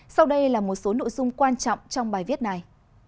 sau đây là một số nội dung quan trọng trong bài viết này